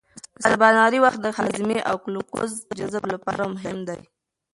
د سباناري وخت د هاضمې او ګلوکوز جذب لپاره مهم دی.